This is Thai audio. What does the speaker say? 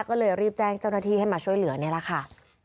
ก็เลยรีบแจ้งเจ้าหน้าที่ให้มาช่วยเหลือนี่แหละค่ะ